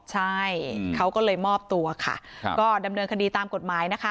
ใช่เขาก็เลยมอบตัวค่ะก็ดำเนินคดีตามกฎหมายนะคะ